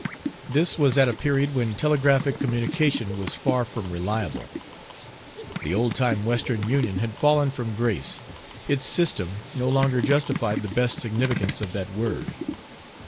This was at a period when telegraphic communication was far from reliable. The old time Western Union had fallen from grace; its "system" no longer justified the best significance of that word.